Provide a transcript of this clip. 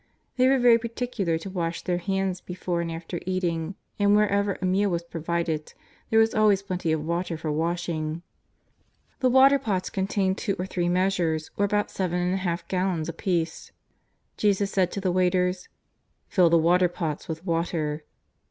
They were very particular to wash their hands before and after eating, and wherever a meal was provided there was always plenty of water for washing. The water pots contained two or three measures, or about seven and a half gallons apiece. Jesus said to the waiters :" Fill the water pots with water."